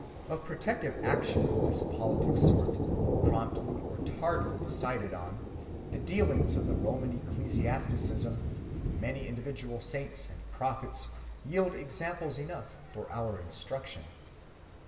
Of protective action of this politic sort, promptly or tardily decided on, the dealings of the Roman ecclesiasticism with many individual saints and prophets yield examples enough for our instruction.